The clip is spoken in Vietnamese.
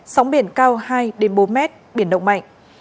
sóng biển cao hai bốn mét biển động mạnh